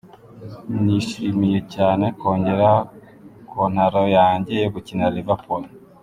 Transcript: "Nishimiye cyane kongera kontaro yanjye yo gukinira Liverpool.